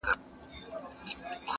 د بُت له ستوني اورمه آذان څه به کوو؟؛